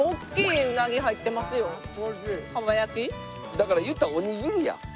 だから言ったらおにぎりや。